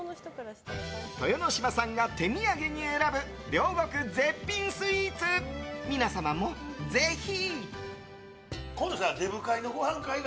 豊ノ島さんが手土産に選ぶ両国絶品スイーツ、皆様もぜひ！